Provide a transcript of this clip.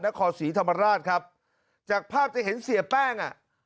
นครศรีธรรมราชครับจากภาพจะเห็นเสียแป้งอ่ะ